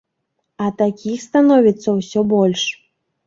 А такіх становіцца ўсё больш.